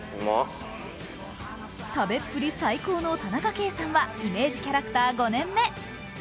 食べっぷり最高の田中圭さんはイメージキャラクター５年目。